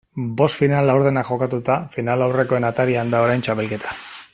Bost final laurdenak jokatuta, finalaurrekoen atarian da orain txapelketa.